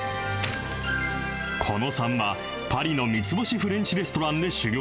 狐野さんは、パリの三つ星フレンチレストランで修業。